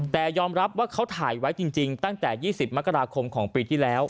แต่ยอมรับว่าเขาถ่ายไว้จริงตั้งแต่๒๐มกราคมของปีที่แล้ว